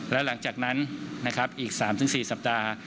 แล้วหลังจากนั้นนะครับอีก๓๔สัปดาห์